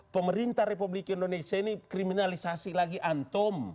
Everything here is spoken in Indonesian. pemerintah republik indonesia ini kriminalisasi lagi antom